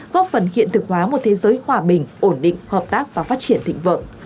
góp phần hiện thực hóa một thế giới hòa bình ổn định hợp tác và phát triển thịnh vượng